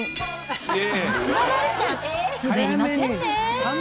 さすが丸ちゃん、すべりませんね。